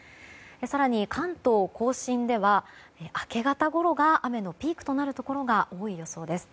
更に、関東・甲信では明け方ごろが雨のピークとなるところが多い予想です。